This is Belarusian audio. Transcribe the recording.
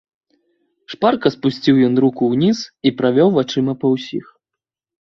Шпарка спусціў ён руку ўніз і правёў вачыма па ўсіх.